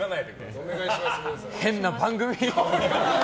変な番組。